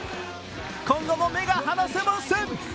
今後も目が離せません。